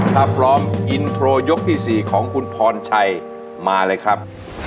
ถ้าพร้อมอินโทรยกที่๔ของคุณพรชัยมาเลยครับ